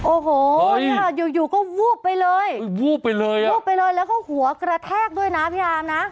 โอ้โหเนี่ยอยู่อยู่ก็วูบไปเลยวูบไปเลยอ่ะวูบไปเลยแล้วก็หัวกระแทกด้วยนะพี่อามนะ